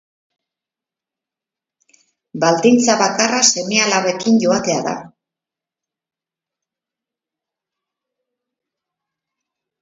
Baldintza bakarra, seme-alabekin joatea da.